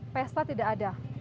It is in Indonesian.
pesta tidak ada